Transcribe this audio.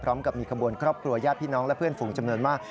พร้อมกับมีขบวนครอบครัวยาพิน้องและเพื่อนฝุ่งจำนวนมา